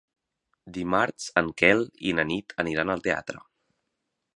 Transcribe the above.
Dimarts en Quel i na Nit aniran al teatre.